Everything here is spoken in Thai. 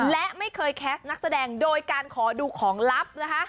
และไม่เคยแคสต์นักแสดงโดยการขอดูของลับนะคะ